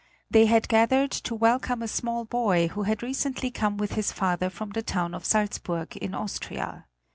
They had gathered to welcome a small boy who had recently come with his father from the town of Salzburg in Austria.